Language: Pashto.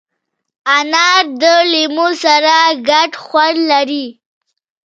انار د لیمو سره ګډ خوند لري.